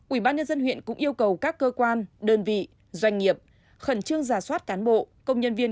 ubnd huyện cũng yêu cầu các cơ quan đơn vị doanh nghiệp khẩn trương rà soát cán bộ công nhân viên